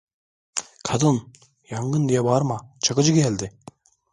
Kadın, yangın diye bağırma, Çakıcı geldi!